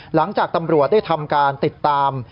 หลังจากตำรวจได้ทำการติดตาม